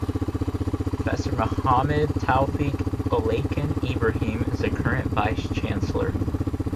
Professor Muhammed Taofeek Olalekan Ibrahim is the current Vice-Chancellor.